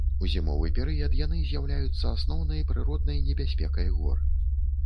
У зімовы перыяд яны з'яўляюцца асноўнай прыроднай небяспекай гор.